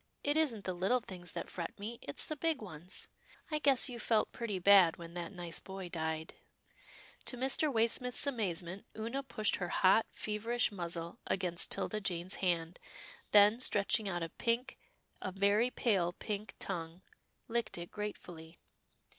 It isn't the little things that fret me, it's the big ones — I guess you felt pretty bad when that nice boy died." To Mr. Waysmith's amazement, Oonah pushed her hot, feverish muzzle against 'Tilda Jane's hand, then, stretching out a pink, a very pale pink tongue, licked it gratefully.